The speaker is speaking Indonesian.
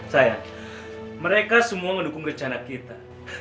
saya mereka semua mendukung rencana kita